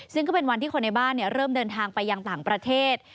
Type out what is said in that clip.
ซึ่งก็เป็นวันที่คนในบ้านเริ่มเดินทางไปยังต่างประเทศ